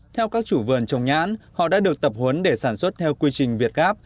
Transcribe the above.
theo các chủ vườn trồng nhãn họ đã được tập huấn để sản xuất theo quy trình việt gáp